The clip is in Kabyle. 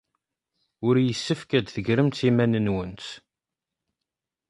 Ur yessefk ad tegremt iman-nwent.